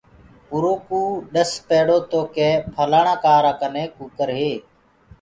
اُرو ڪوُ ڏس پيڙو تو ڪي ڦلآڻآ ڪآرآ ڪني ڪٚڪَر هي۔